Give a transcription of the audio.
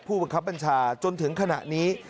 ผู้บังคับบัญชาจนถึงขณะนี้